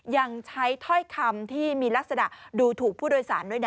ยังใช้ถ้อยคำที่มีลักษณะดูถูกผู้โดยสารด้วยนะ